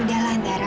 udah lah andara